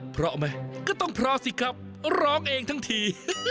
พร้อมไหมก็ต้องพร้อมสิครับร้องเองทั้งที